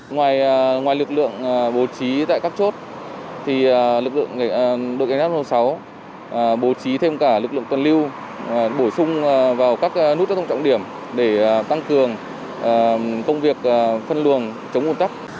ngoài lực lượng bố trí tại các chốt lực lượng đội cảnh sát sáu mươi sáu bố trí thêm cả lực lượng tuần lưu bổ sung vào các nút giao thông trọng điểm để tăng cường công việc phân luồng chống nguồn tắc